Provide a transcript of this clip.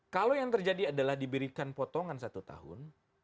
kalau yang terjadi adalah diberikan potongan satu tahun